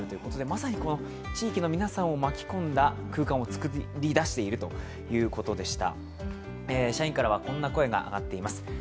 まさに地域の皆さんを巻き込んだ空間を作り出しているということでした。